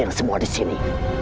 dengan semua di sini